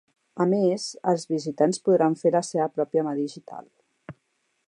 A més, els visitants podran fer la seva pròpia mà digital.